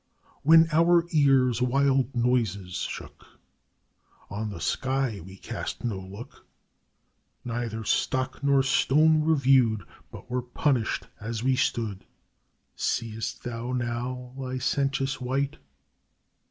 When our ears wild noises shook, On the sky we cast no look, Neither stock nor stone reviewed, But were punished as we stood. Seest thou now, licentious wight?